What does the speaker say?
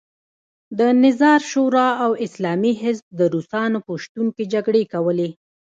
د نظار شورا او اسلامي حزب د روسانو په شتون کې جګړې کولې.